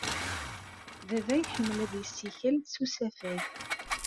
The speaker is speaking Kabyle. Baba iḥemmel ad yessikel s usafag.